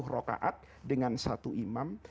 rokaat dengan satu imam